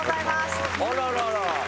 あららら！